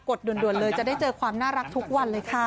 ดด่วนเลยจะได้เจอความน่ารักทุกวันเลยค่ะ